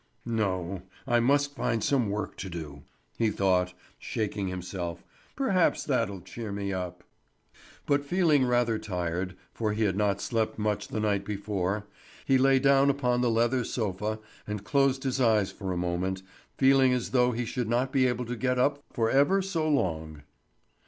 "No, I must find some work to do," he thought, shaking himself. "Perhaps that'll cheer me up." But feeling rather tired, for he had not slept much the night before, he lay down upon the leather sofa and closed his eyes for a moment, feeling as though he should not be able to get up for ever so long.